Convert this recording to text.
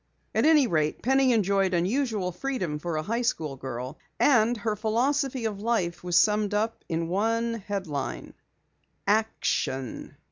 At any rate, Penny enjoyed unusual freedom for a high school girl, and her philosophy of life was summed up in one headline: ACTION.